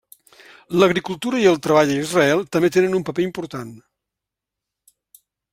L'agricultura i el treball a Israel també tenen un paper important.